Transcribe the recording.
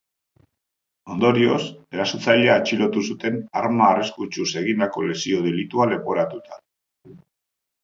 Ondorioz, erasotzailea atxilotu zuten arma arriskutsuz egindako lesio delitua leporatuta.